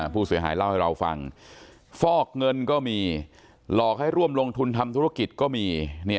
ผู้เสียหายเล่าให้เราฟังฟอกเงินก็มีหลอกให้ร่วมลงทุนทำธุรกิจก็มี